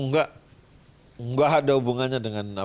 nggak nggak ada hubungannya dengan dpt kita